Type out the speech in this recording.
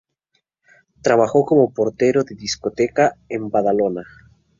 Trabajó como portero de discoteca en Badalona.